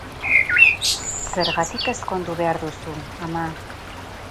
Zergatik ezkondu behar duzu, ama?